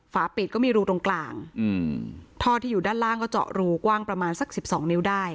ฝาปิดก็มีรูตรงกลางอืมท่อที่อยู่ด้านล่างก็เจาะรูกว้างประมาณสักสิบสองนิ้วได้